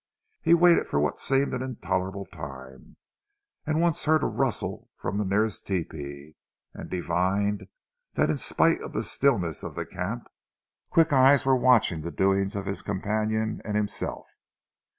He waited for what seemed an intolerable time, and once heard a rustle from the nearest tepee, and divined that in spite of the stillness of the camp, quick eyes were watching the doings of his companion and himself.